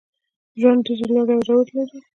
ژوند ډېري لوړي او ژوري لري.